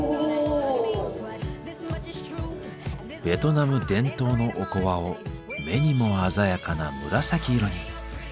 ベトナム伝統のおこわを目にも鮮やかな紫色に。